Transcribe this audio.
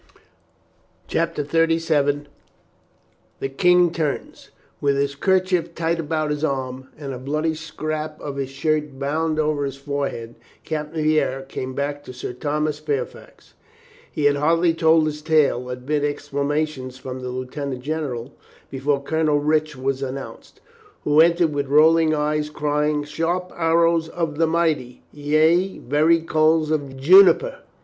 CHAPTER THIRTY SEVEN THE KING TURNS WITH his kerchief tight about his arm and a bloody scrap of his shirt bound over his fore head, Captain Vera came back to Sir Thomas Fair fax. He had hardly told his tale, amid exclama tions from the lieutenant general, before Colonel Rich was announced, who entered with rolling eyes, crying, "Sharp arrows of the mighty ! Yea, very coals of juniper!